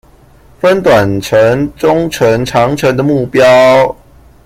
分短程中程長程的目標